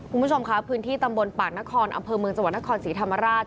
คุณผู้ชมค่ะพื้นที่ตำบลปากนครอำเภอเมืองจังหวัดนครศรีธรรมราช